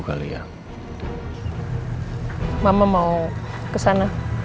mama mau kesana